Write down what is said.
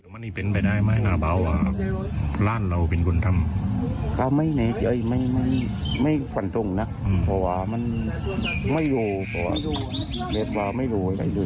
มันไม่รู้ไม่รู้ไม่รู้ไม่รู้ไม่รู้ไม่รู้